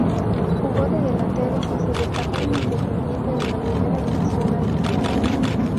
Jugó de delantero y se destacó en Independiente, de la primera división Argentina.